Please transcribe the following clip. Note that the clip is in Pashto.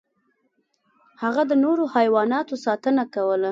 هغه د نورو حیواناتو ساتنه کوله.